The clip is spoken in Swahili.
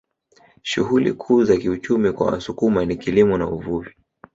Shughuli kuu za kiuchumi kwa Wasukuma ni kilimo na uvuvi